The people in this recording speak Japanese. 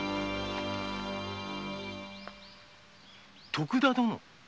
⁉徳田殿？